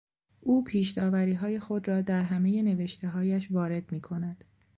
او پیشداوریهای خود را در همهی نوشتههایش وارد میکند.